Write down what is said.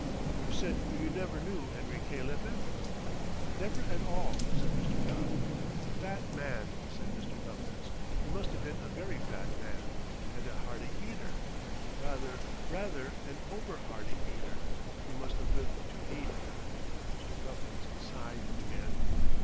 You said you never knew Henry K. Lippett?" "Never at all," said Mr. Gubb. "Fat man," said Mr. Guffins. "He must have been a very fat man. And a hearty eater. Rather rather an over hearty eater. He must have lived to eat." Mr. Guffins sighed again.